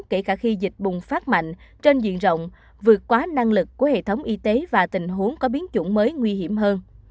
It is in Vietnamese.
kể cả khi dịch bùng phát mạnh trên diện rộng vượt quá năng lực của hệ thống y tế và tình huống có biến chủng mới nguy hiểm hơn